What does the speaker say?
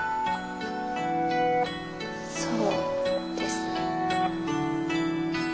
そうですね。